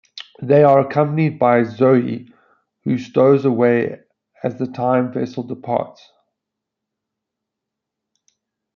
They are accompanied by Zoe, who stows away as the time vessel departs.